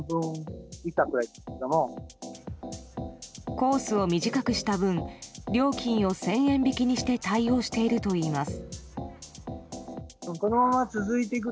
コースを短くした分料金を１０００円引きにして対応しているといいます。